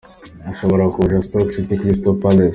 Ashobora kuja: Stoke City, Crystal Palace.